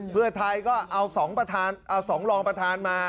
เพื่อไทยก็เอา๒รองประธานมา